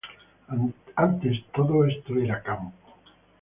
Antes, todo esto era campo